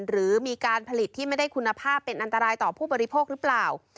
หรือมีการผลิตที่ไม่ได้คุณภาพเป็นอันตรายต่อผู้บริโภคหรือเปล่า